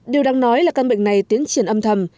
điều đáng nói là căn bệnh này tiến triển âm thầm